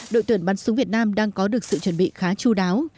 đội tuyển bắn súng việt nam đang có được sự chuẩn bị khá chú đáo